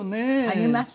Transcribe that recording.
あります。